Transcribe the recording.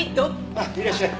あっいらっしゃい！